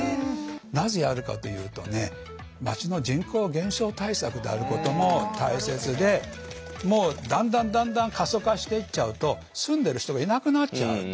なぜやるかというとね町の人口減少対策であることも大切でだんだんだんだん過疎化していっちゃうと住んでる人がいなくなっちゃう。